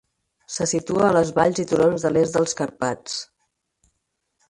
Se situa a les valls i turons de l'est dels Carpats.